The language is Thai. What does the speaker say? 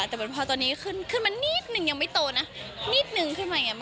แต่พอตอนนี้ขึ้นมานิดนึงยังไม่โตนะนิดนึงขึ้นมาอย่างนี้